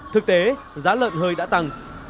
thực tế giá lợn hơi đã tăng